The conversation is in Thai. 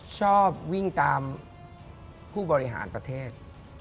ชอบวิ่งตามผู้บริหารประเทศ